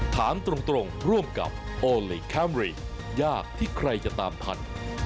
ถามตรงร่วมกับโอลี่คัมรี่ยากที่ใครจะตามทัน